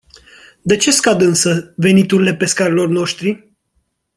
De ce scad însă veniturile pescarilor noștri?